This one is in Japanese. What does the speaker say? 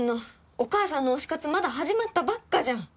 お母さんの推し活まだ始まったばっかじゃん！